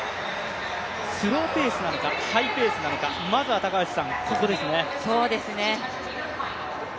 スローペースなのかハイペースなのか、まずはここですね。